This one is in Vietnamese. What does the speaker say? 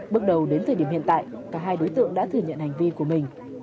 bước đầu đến thời điểm hiện tại cả hai đối tượng đã thừa nhận hành vi của mình